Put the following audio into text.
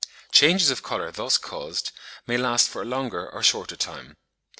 Changes of colour thus caused may last for a longer or shorter time.